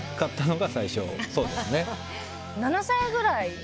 ７歳ぐらい。